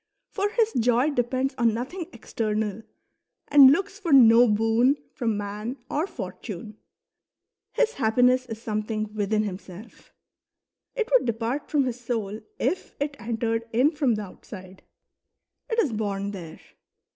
For his joy depends on nothing external and looks for no boon from man or fortune. His happiness is something within himself; it would depart from his soul if it entered in from the outside ; it is born there.